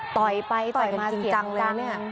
ตอยไปตอยมาจริงเลยเนี่ย